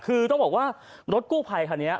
คือต้องบอกว่ารถกู้ภัยคันนี้